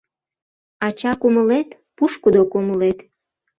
Ача кумылет — пушкыдо кумылет